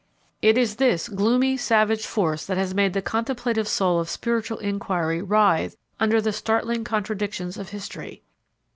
It is this gloomy, savage force that has made the contemplative soul of spiritual inquiry writhe under the startling contradictions of history.